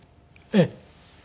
ええ。